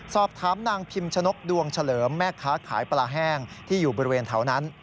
สอบถามนางพิมชนกดวงเฉลิมแม่ค้าขายปลาแห้งที่อยู่บริเวณแถวนั้น